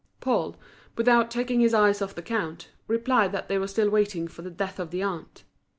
Paul, without taking his eyes off the count, replied that they were still waiting for the death of the aunt.